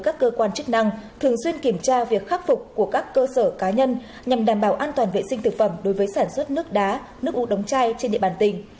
các cơ quan chức năng thường xuyên kiểm tra việc khắc phục của các cơ sở cá nhân nhằm đảm bảo an toàn vệ sinh thực phẩm đối với sản xuất nước đá nước u đống chai trên địa bàn tỉnh